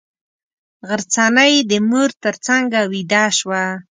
غرڅنۍ د مور تر څنګه ویده شوه.